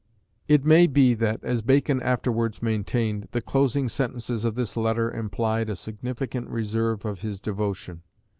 It may be that, as Bacon afterwards maintained, the closing sentences of this letter implied a significant reserve of his devotion.